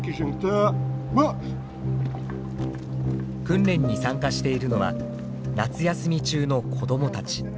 訓練に参加しているのは夏休み中の子どもたち。